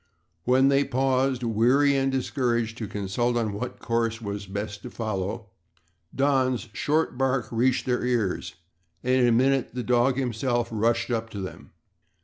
When they paused, weary and discouraged, to consult on what course was best to follow, Don's short bark reached their ears and in a minute the dog himself rushed up to them.